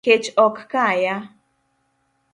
Kech ok kaya